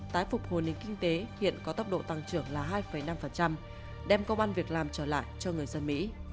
tái phục hồi nền kinh tế hiện có tốc độ tăng trưởng là hai năm đem công an việc làm trở lại cho người dân mỹ